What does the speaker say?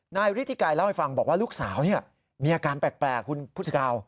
นายริฐิกายเล่าให้ฟังบอกว่าลูกสาวนี่มีอาการแปลกคุณพุทธกาล